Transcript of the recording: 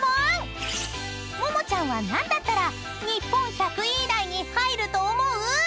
［ももちゃんは何だったら日本１００位以内に入ると思う？］